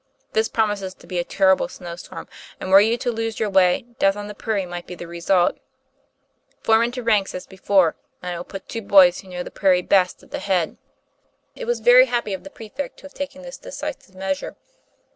This promises to be a terrible snow storm, and were you to lose your way, death on the prairie might be the result. Form into ranks as before and I will put two boys who know the prairie best at the head." 250 TOM PLA YFAIR. It was very happy of the prefect to have taken this decisive measure.